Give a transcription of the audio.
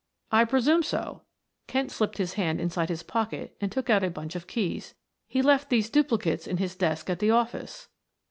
"I presume so," Kent slipped his hand inside his pocket and took out a bunch of keys. "He left these duplicates in his desk at the office."